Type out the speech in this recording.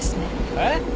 えっ？